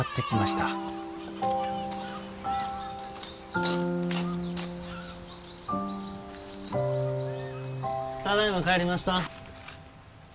ただいま帰りました。